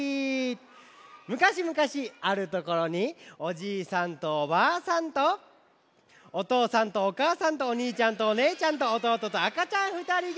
むかしむかしあるところにおじいさんとおばあさんとおとうさんとおかあさんとおにいちゃんとおねえちゃんとおとうととあかちゃんふたりがいました。